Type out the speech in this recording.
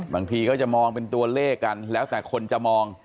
บางทีก็จะมองเป็นตัวเลขกันแล้วแต่คนจะมอง